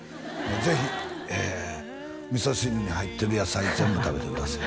ぜひ味噌汁に入ってる野菜全部食べてください